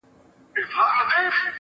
پر ښايستوكو سترگو.